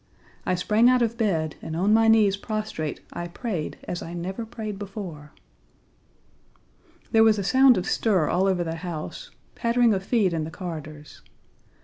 I sprang out of bed, and on my knees prostrate I prayed as I never prayed before. There was a sound of stir all over the house, pattering of feet in the corridors.